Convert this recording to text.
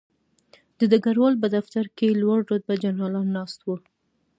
د ډګروال په دفتر کې لوړ رتبه جنرالان ناست وو